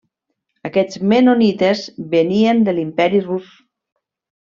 Aquests mennonites venien de l'Imperi Rus.